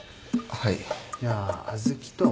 はい。